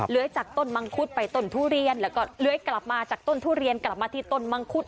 จากต้นมังคุดไปต้นทุเรียนแล้วก็เลื้อยกลับมาจากต้นทุเรียนกลับมาที่ต้นมังคุด